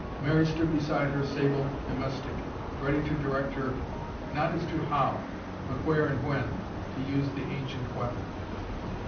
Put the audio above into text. Mary stood beside her sable domestic ready to direct her not as to how, but where and when, to use the ancient weapon.